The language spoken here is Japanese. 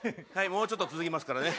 もうちょっと続きますからね。